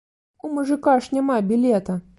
У мужыка ж няма білета!